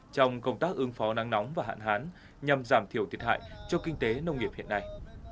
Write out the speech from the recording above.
trong công tác ứng phó nắng nóng và hạn hán nhằm giảm thiểu thiệt hại cho kinh tế nông nghiệp hiện nay